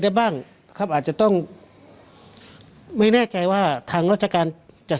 ได้บ้างครับอาจจะต้องไม่แน่ใจว่าทางราชการจะ